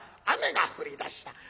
雨が降りだした。